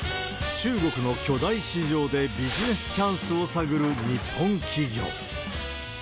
中国の巨大市場でビジネスチャンスを探る日本企業。